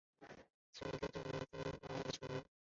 他于次年正式使用国王的称号。